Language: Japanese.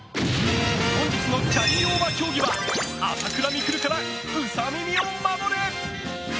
本日のキャリーオーバー競技は朝倉未来からウサ耳を守れ！